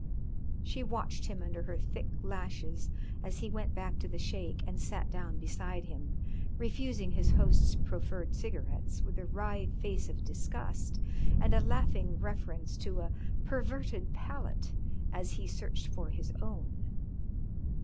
She watched him under her thick lashes as he went back to the Sheik and sat down beside him, refusing his host's proffered cigarettes with a wry face of disgust and a laughing reference to a "perverted palate," as he searched for his own.